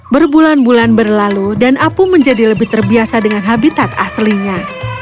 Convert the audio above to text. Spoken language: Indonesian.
berbulan bulan berlalu dan apung menjadi lebih terbiasa dengan habitat aslinya